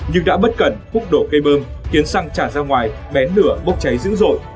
nhưng đã bất cẩn hút đổ cây bơm khiến xăng trả ra ngoài bén lửa bốc cháy dữ dội